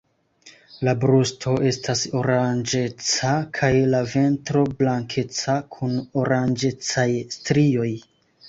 La brusto estas oranĝeca, kaj la ventro blankeca kun oranĝecaj strioj.